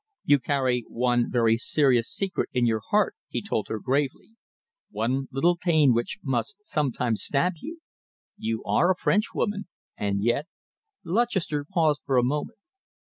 "You carry one very serious secret in your heart," he told her gravely, "one little pain which must sometimes stab you. You are a Frenchwoman, and yet " Lutchester paused for a moment.